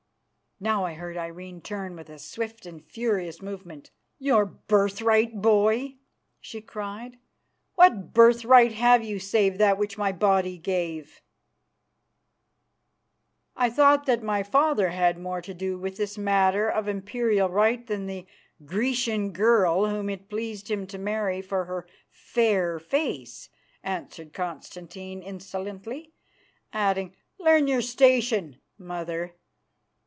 Now I heard Irene turn with a swift and furious movement. "Your birthright, boy," she cried. "What birthright have you save that which my body gave?" "I thought that my father had more to do with this matter of imperial right than the Grecian girl whom it pleased him to marry for her fair face," answered Constantine insolently, adding: "Learn your station, mother.